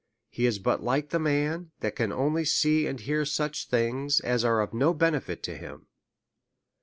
He is but like the man that can only see and hear such things as are of no benefit to him.